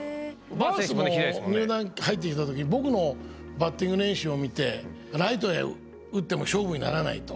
バースも入団入ってきた時僕のバッティング練習を見てライトへ打っても勝負にならないと。